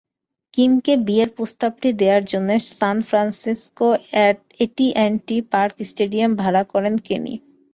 কিমকে বিয়ের প্রস্তাব দেওয়ার জন্য সান ফ্রান্সিসকোর এটিঅ্যান্ডটি পার্ক স্টেডিয়াম ভাড়া করেন কেনি।